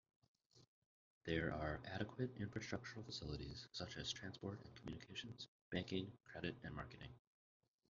There are adequate infrastructural facilities such as transport and communications, banking, credit, and marketing.